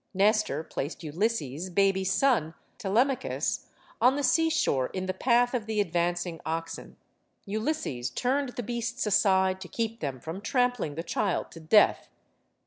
Nes tor placed Ulysses' baby son, Telemachus, on the sea shore, in the path of the advancing oxen. Ulysses turned the beasts aside to keep them from trampling the child to death.